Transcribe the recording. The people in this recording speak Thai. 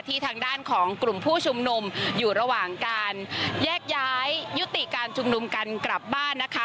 ทางด้านของกลุ่มผู้ชุมนุมอยู่ระหว่างการแยกย้ายยุติการชุมนุมกันกลับบ้านนะคะ